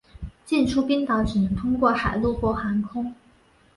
进出冰岛只能通过海路或航空。